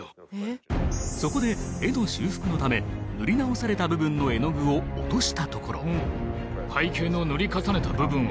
そこで絵の修復のため塗り直された部分の絵の具を落としたところ背景の。